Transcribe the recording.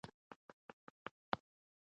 پر غلیم یرغل وکړه.